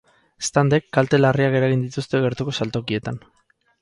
Eztandek kalte larriak eragin dituzte gertuko saltokietan.